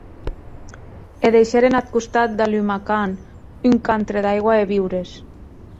E deishèren ath costat de Daul’makan, un cantre d’aigua e viures.